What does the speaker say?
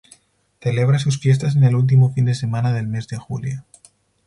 Celebra sus fiestas en el último fin de semana del mes de julio.